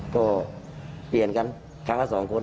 ก็เปลี่ยนกันครั้งละ๒คน